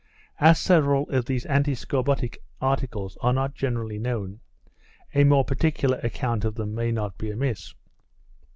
As several of these antiscorbutic articles are not generally known, a more particular account of them may not be amiss.